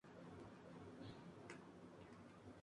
Están rodeadas por estrechas cadenas de playa y zanjas.